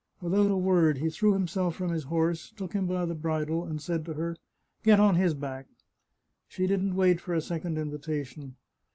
Without a word he threw himself from his horse, took him by the bridle, and said to her, " Get on his back !" She didn't wait for a sec ond invitation.